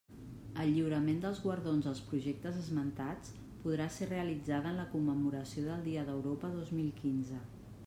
El lliurament dels guardons als projectes esmentats podrà ser realitzada en la commemoració del dia d'Europa dos mil quinze.